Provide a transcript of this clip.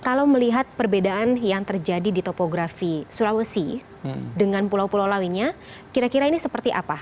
kalau melihat perbedaan yang terjadi di topografi sulawesi dengan pulau pulau lainnya kira kira ini seperti apa